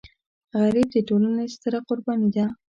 غریب د ټولنې ستره قرباني ده